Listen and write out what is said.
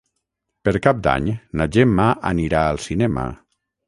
Per Cap d'Any na Gemma anirà al cinema.